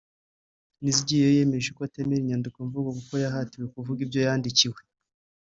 Nizigiyeyo yemeje ko atemera inyandikomvugo kuko yahatiwe kuvuga ibyo yandikiwe